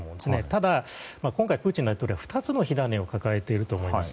ただ、今回、プーチン大統領は２つの火種を抱えていると思います。